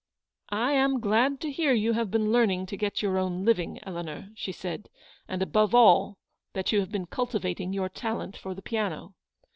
" I am glad to hear you have been learning to get your own living, Eleanor/' she said, "and above all, that you have been [cultivating your talent for the piano.